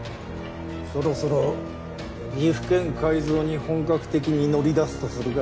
そろそろ岐阜県改造に本格的に乗り出すとするか。